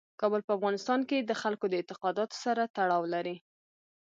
کابل په افغانستان کې د خلکو د اعتقاداتو سره تړاو لري.